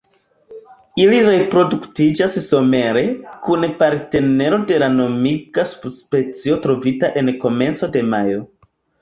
Ili reproduktiĝas somere, kun partnero de la nomiga subspecio trovita en komenco de majo.